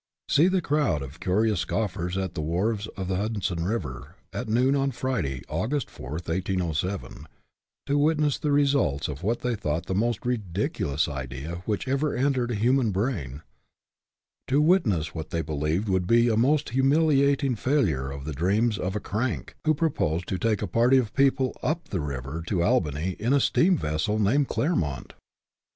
See the crowd of curious scoffers at the wharves of the Hudson River at noon on Friday, August 4, 1807, to witness the results of what they thought the most ridiculous idea which ever entered a human brain ; to witness what they believed would be a most humiliating failure of the dreams of a " crank " who proposed to take a party of people up the river to Albany in a steam vessel named the " Clermont